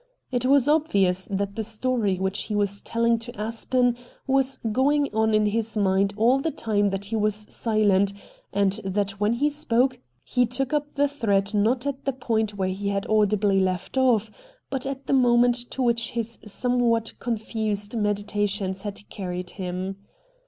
It was obvious that the story which he was telling to Aspen was going on in his mind all the time that he was silent, and that when he spoke he took up the thread not at the point where he had audibly left oJS", but at the moment to which his somewhat confused meditations had carried him.